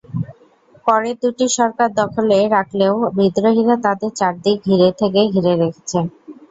পরের দুটি সরকার দখলে রাখলেও বিদ্রোহীরা তাদের চারদিক থেকে ঘিরে রেখেছে।